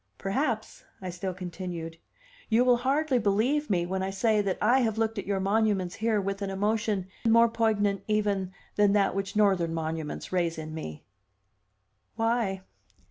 "Perhaps," I still continued, "you will hardly believe me when I say that I have looked at your monuments here with an emotion more poignant even than that which Northern monuments raise in me." "Why?"